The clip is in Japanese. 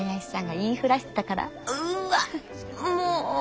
うわっもう！